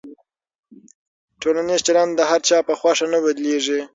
ټولنیز چلند د هر چا په خوښه نه بدلېږي.